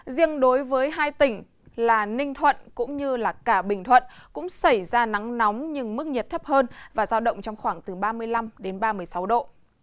riêng đối với hai tỉnh là ninh thuận cũng như cả bình thuận cũng xảy ra nắng nóng nhưng mức nhiệt thấp hơn và giao động trong khoảng từ ba mươi năm đến ba mươi sáu độ